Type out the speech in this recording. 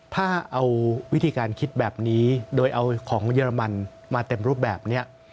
ถ้าเอาวิธีการคิดแบบนี้โดยเอาของเยอรมันมาเต็มรูปแบบนี้